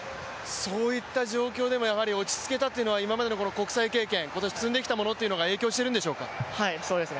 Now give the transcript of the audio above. そういった状況でも、やはり落ち着けたというのは今までの国際経験、今年積んできたものっていうのが影響しているんでしょうか。